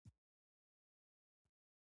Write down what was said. خو مين يې د در سپى دى